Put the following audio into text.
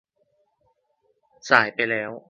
สายไปแล้ว